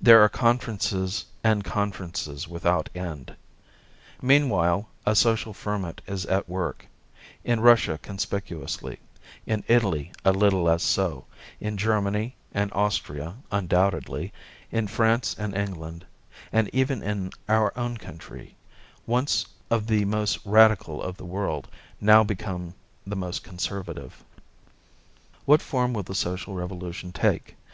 There are conferences and conferences without end. Meanwhile a social ferment is at work, in Russia conspicuously, in Italy a little less so, in Germany and Austria undoubtedly, in France and England, and even in our own country once of the most radical in the world, now become the most conservative. What form will the social revolution take?